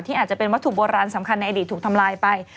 อาจจะเป็นวัตถุโบราณสำคัญในอดีตถูกทำลายไป